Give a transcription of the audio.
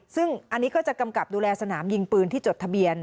ซึ่งอันนี้ก็จะกำกับดูแลสนามยิงปืนที่จดทะเบียน